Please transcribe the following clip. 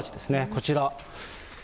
こちら。